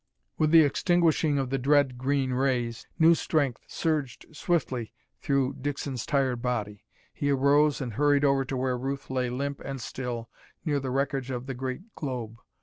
With the extinguishing of the dread green rays, new strength surged swiftly through Dixon's tired body. He arose and hurried over to where Ruth lay limp and still near the wreckage of the great globe.